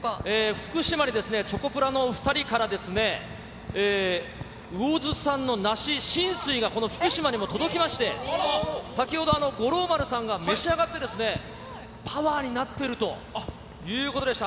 福島にチョコプラの２人から魚津産の梨、新水がこの福島にも届きまして、先ほど、五郎丸さんが召し上がって、パワーになってるということでした。